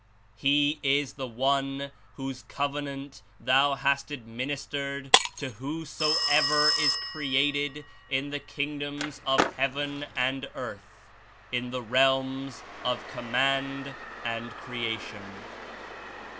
He Is the One, whose Covenant Thou hast administered to who soever Is created In the kingdoms of heaven and earth, in the realms of Command and Creation."